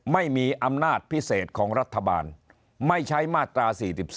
ไม่มีอำนาจพิเศษของรัฐบาลไม่ใช้มาตรา๔๔